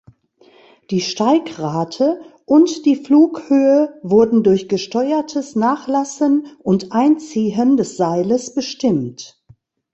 Die Steigrate und die Flughöhe wurden durch gesteuertes Nachlassen und Einziehen des Seiles bestimmt.